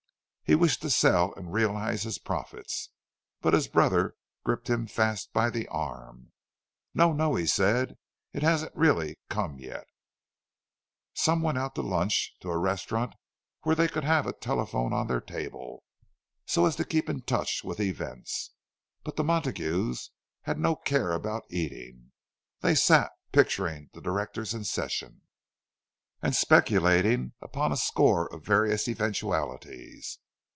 He wished to sell and realize his profits; but his brother gripped him fast by the arm. "No! no!" he said. "It hasn't really come yet!" Some went out to lunch—to a restaurant where they could have a telephone on their table, so as to keep in touch with events. But the Montagues had no care about eating; they sat picturing the directors in session, and speculating upon a score of various eventualities.